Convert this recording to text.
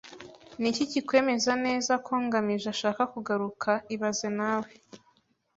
Niki kikwemeza neza ko ngamije azashaka kugaruka ibaze nawe